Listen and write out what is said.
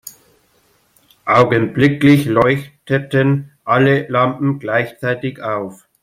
Augenblicklich leuchteten alle Lampen gleichzeitig auf.